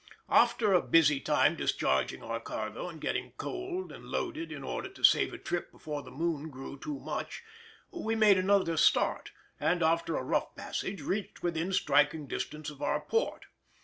After a busy time discharging our cargo and getting coaled and loaded in order to save a trip before the moon grew too much, we made another start, and after a rough passage reached within striking distance of our port.